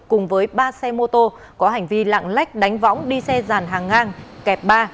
cùng với ba xe mô tô có hành vi lạng lách đánh võng đi xe ràn hàng ngang kẹp ba